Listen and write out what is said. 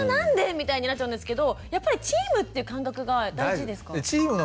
みたいになっちゃうんですけどやっぱりチームっていう感覚が大事ですか？